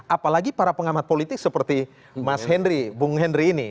apalagi para pengamat politik seperti mas henry bung henry ini